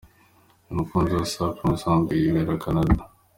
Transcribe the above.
Uyu mukunzi wa Safi mu busanzwe yibera Canada.